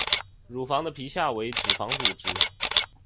乳房的皮下为脂肪组织。